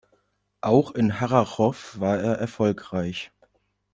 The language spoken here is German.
Auch in Harrachov war er erfolgreich.